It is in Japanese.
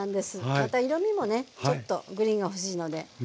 また色みもねちょっとグリーンが欲しいので。